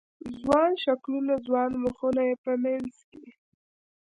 ځوان شکلونه، ځوان مخونه یې په منځ کې